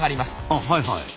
あはいはい。